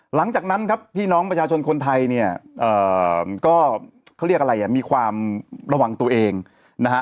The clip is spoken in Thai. หลังจากนั้นครับพี่น้องประชาชนคนไทยเนี่ยก็เขาเรียกอะไรอ่ะมีความระวังตัวเองนะฮะ